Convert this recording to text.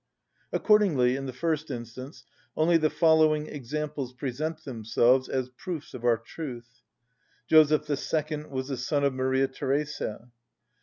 Accordingly, in the first instance, only the following examples present themselves as proofs of our truth. Joseph II. was the son of Maria Theresia.